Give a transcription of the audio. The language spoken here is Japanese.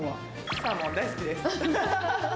サーモン大好きです。